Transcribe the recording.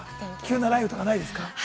急な雷雨ないですか？